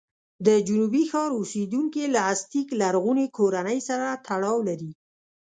د جنوبي ښار اوسېدونکي له ازتېک لرغونې کورنۍ سره تړاو لري.